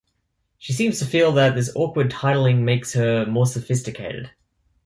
She seems to feel that this awkward titling makes her more sophisticated.